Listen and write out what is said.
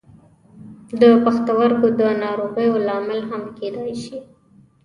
د پښتورګو د ناروغیو لامل هم کیدای شي.